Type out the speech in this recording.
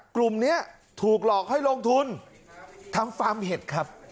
กลุ่มนี้ถูกหลอกให้ลงทุนทำฟาร์มเห็ดครับ